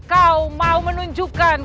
kau mau menunjukkan